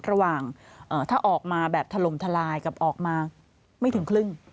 ระหว่างถ้าออกมาแบบถล่มทลายกับออกมาไม่ถึงครึ่ง